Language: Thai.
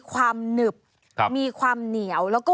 ไซส์ลำไย